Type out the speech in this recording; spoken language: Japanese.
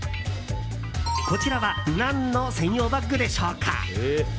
こちらは何の専用バッグでしょうか。